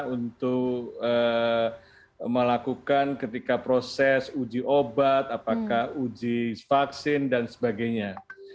untuk melakukan ketika proses uji obat apakah uji vaksin dan sebagainya